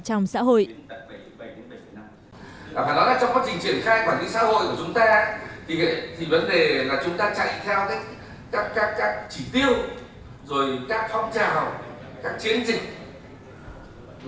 trong quá trình triển khai quản lý xã hội của chúng ta vấn đề là chúng ta chạy theo các chỉ tiêu